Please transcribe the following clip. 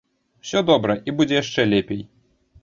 Усё добра і будзе яшчэ лепей.